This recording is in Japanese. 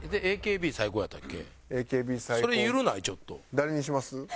誰にします？